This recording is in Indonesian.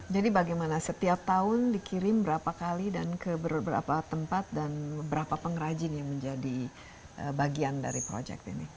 jadi bagaimana setiap tahun dikirim berapa kali dan keberapa tempat dan berapa pengrajin yang menjadi bagian dari project ini